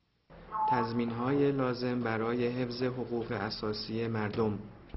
تضمینهای لازم برای حفظ حقوق اساسی مردم